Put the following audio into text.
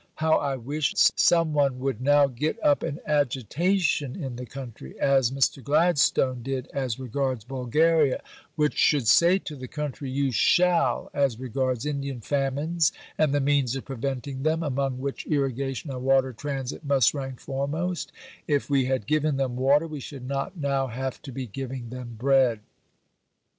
How I wish that some one would now get up an agitation in the country as Mr. Gladstone did as regards Bulgaria which should say to the country, You shall, as regards Indian famines and the means of preventing them, among which Irrigation and Water Transit must rank foremost; if we had given them water, we should not now have to be giving them bread."